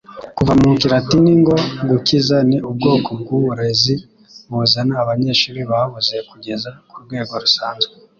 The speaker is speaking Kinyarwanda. Kuva mu kilatini ngo "gukiza", ni ubwoko bwuburezi buzana abanyeshuri babuze kugeza kurwego rusanzwe